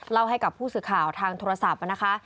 ให้กับผู้สื่อข่าวทางโทรศัพท์นะคะ